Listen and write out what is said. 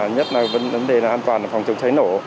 nhất là vấn đề là an toàn phòng chống cháy nổ